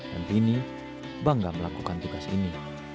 dan vini bangga melakukan tugas ini